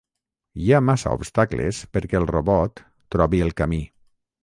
Hi ha massa obstacles perquè el robot trobi el camí.